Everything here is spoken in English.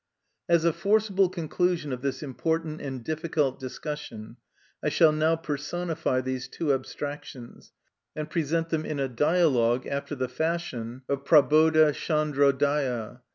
As a forcible conclusion of this important and difficult discussion I shall now personify these two abstractions, and present them in a dialogue after the fashion of Prabodha Tschandro Daya.